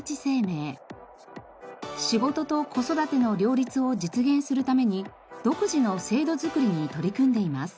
仕事と子育ての両立を実現するために独自の制度作りに取り組んでいます。